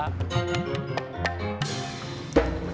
kalau sibuknya enggak